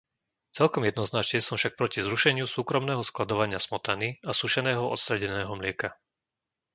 Celkom jednoznačne som však proti zrušeniu súkromného skladovania smotany a sušeného odstredeného mlieka.